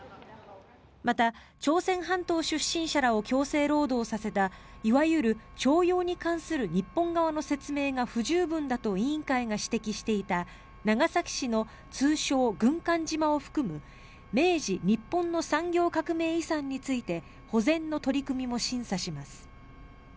また、朝鮮半島出身者らを強制労働させたいわゆる徴用に関する日本側の説明が不十分だと委員会が指摘していた長崎市の通称・軍艦島を含む明治日本の産業革命遺産について保全の取り組みも審査します。